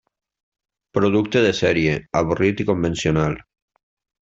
Producte de sèrie, avorrit i convencional.